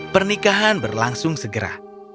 pernikahan berlangsung segera